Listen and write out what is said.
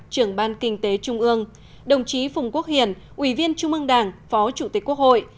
trưởng ban kinh tế trung ương đồng chí phùng quốc hiền ủy viên trung ương đảng phó chủ tịch quốc hội